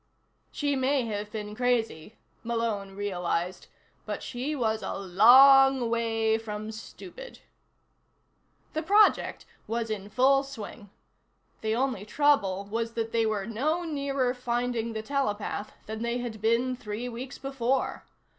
She may have been crazy, Malone realized. But she was a long way from stupid. The project was in full swing. The only trouble was that they were no nearer finding the telepath than they had been three weeks before.